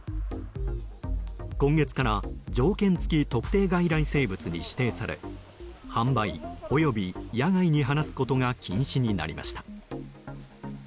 今月から条件付特定外来生物に指定され販売及び野外に放すことが禁止になりました。